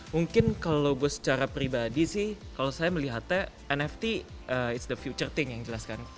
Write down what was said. mungkin kalau gue secara pribadi sih kalau saya melihatnya nft is the future thing yang jelaskan